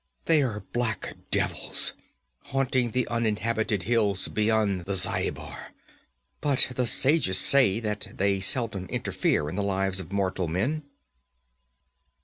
'They are black devils, haunting the uninhabited hills beyond the Zhaibar. But the sages say that they seldom interfere in the lives of mortal men.'